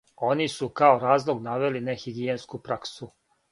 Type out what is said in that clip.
Они су као разлог навели нехигијенску праксу.